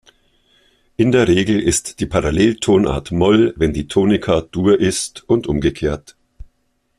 In der Regel ist die Paralleltonart Moll, wenn die Tonika Dur ist und umgekehrt.